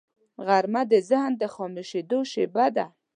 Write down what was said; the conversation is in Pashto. غرمه د ذهن د خاموشیدو شیبه ده